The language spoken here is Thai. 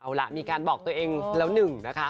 เอาล่ะมีการบอกตัวเองแล้วหนึ่งนะคะ